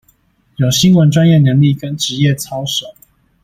有新聞專業能力跟職業操守